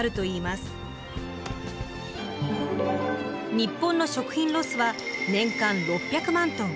日本の食品ロスは年間６００万ｔ。